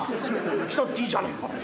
来たっていいじゃねえか。